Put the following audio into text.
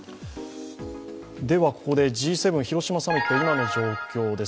ここでＧ７広島サミット、今の状況です。